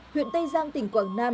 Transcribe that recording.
huyện tây giang tỉnh quảng nam